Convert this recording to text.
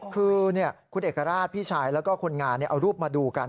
คือคุณเอกราชพี่ชายแล้วก็คนงานเอารูปมาดูกัน